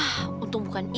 hah untung bukan ibu ya